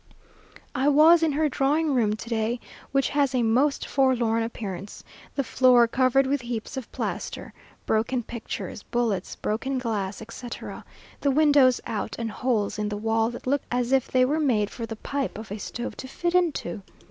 I was in her drawing room to day, which has a most forlorn appearance; the floor covered with heaps of plaster, broken pictures, bullets, broken glass, etc., the windows out, and holes in the wall that look as if they were made for the pipe of a stove to fit into.